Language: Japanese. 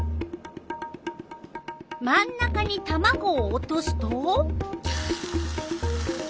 真ん中にたまごを落とすと？